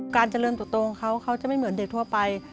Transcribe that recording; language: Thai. การเจริญตัวโตของเขาเขาจะไม่เหมือนเด็กทั่วไป